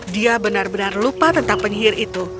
dia benar benar lupa tentang penyihir itu